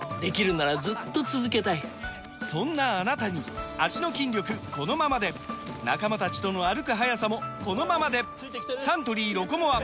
そんなあなたに脚の筋力このままで仲間たちとの歩く速さもこのままでサントリー「ロコモア」！